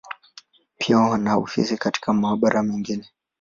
Pia wana ofisi katika mabara mengine.